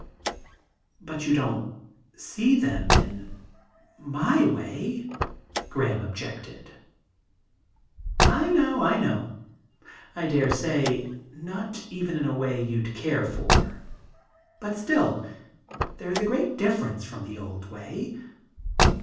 *But you don't see them in my way,' Graham objected. *I know — I know. I dare say not even in a way you'd care for. But still there is a great difference from the old way.